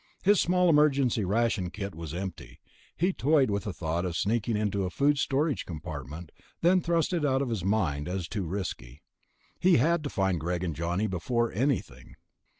His small emergency ration kit was empty. He toyed with the thought of sneaking into a food storage compartment, then thrust it out of his mind as too risky. He had to find Greg and Johnny before anything.